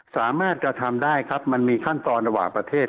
สามารถกระทำได้ครับมันมีขั้นตอนระหว่างประเทศ